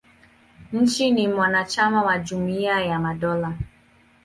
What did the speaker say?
Nchi ni mwanachama wa Jumuia ya Madola.